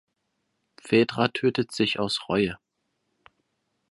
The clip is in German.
Phaedra tötet sich aus Reue.